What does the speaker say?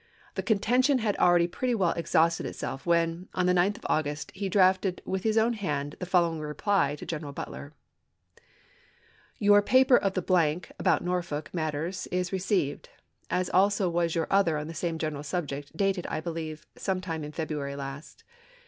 The contention had already pretty well 1864. exhausted itself when, on the 9th of August, he drafted with his own hand the following reply to General Butler: Your paper of the about Norfolk matters is re ceived, as also was your other on the same general subject, dated, I believe, some time in February last.